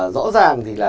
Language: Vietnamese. rõ ràng thì là